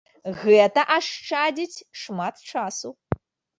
Гэта ашчадзіць шмат часу.